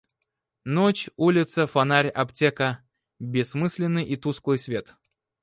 Ночь, улица, фонарь, аптека, Бессмысленный и тусклый свет.